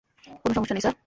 কোনো সমস্যা নেই, স্যার।